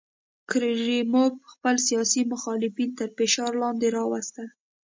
کریموف خپل سیاسي مخالفین تر فشار لاندې راوستل.